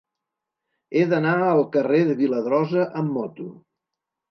He d'anar al carrer de Viladrosa amb moto.